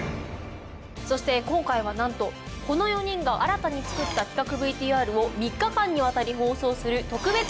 そして今回はなんとこの４人が新たに作った企画ＶＴＲを３日間にわたり放送する特別企画です。